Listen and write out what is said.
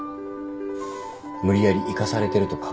無理やり行かされてると考える。